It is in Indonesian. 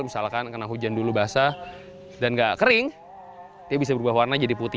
misalkan kena hujan dulu basah dan gak kering dia bisa berubah warna jadi putih